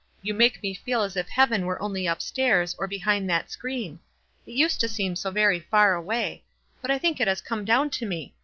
You make me feel as if heaven were only up stairs, or behind that screen. It used to seem so very far away ; but I think it has come down to me.